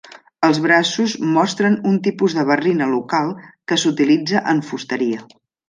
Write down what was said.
Els braços mostren un tipus de barrina local que s'utilitza en fusteria.